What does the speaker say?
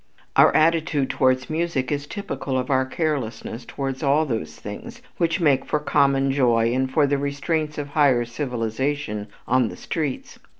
Our attitude towards music is typical of our carelessness towards all those things which make for common joy and for the restraints of higher civilization on the streets.